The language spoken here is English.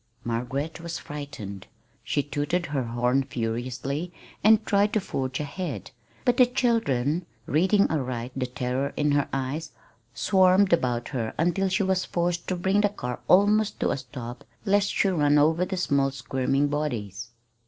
Margaret was frightened. She tooted her horn furiously, and tried to forge ahead; but the children, reading aright the terror in her eyes, swarmed about her until she was forced to bring the car almost to a stop lest she run over the small squirming bodies.